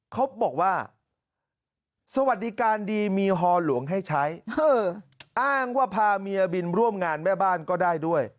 เขาบอกว่าสวัสดีการดีมีฮอหลวงให้ใช้อ้างว่าพาเมียบินร่วมงานแม่บ้านก็ได้ด้วย